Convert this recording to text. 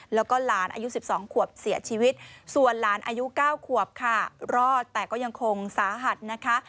แล้วก็หลานอายุ๑๒ขวบเสียชีวิตส่วนหลานอายุ๙ขวบค่ะรอดแต่ก็ยังคงสาหัสนะคะ